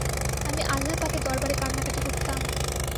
আমি আল্লাহপাকের দরবারে কান্নাকাটি কুরতাম।